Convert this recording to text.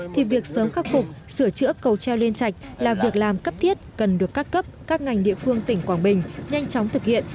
thì việc sớm khắc phục sửa chữa cầu treo lên chạch là việc làm cấp tiết cần được các cấp các ngành địa phương tỉnh quang bình nhanh chóng thực hiện